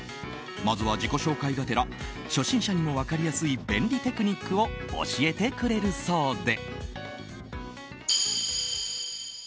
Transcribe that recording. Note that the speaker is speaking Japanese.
まずは自己紹介がてら初心者にも分かりやすい便利テクニックを教えてくれるそうで。